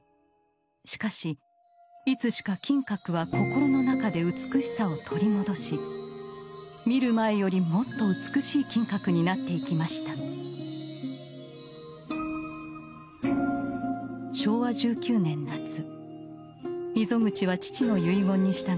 しかしいつしか金閣は心の中で美しさを取り戻し見る前よりもっと美しい金閣になっていきました昭和１９年夏溝口は父の遺言に従って金閣寺の徒弟になりました。